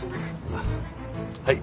あっはい。